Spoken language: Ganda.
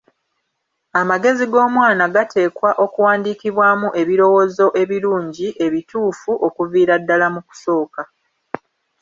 Amagezi g'omwana gateekwa okuwandikibwamu ebirowoozo ebirungi, ebituufu, okuviira ddala mu kusooka.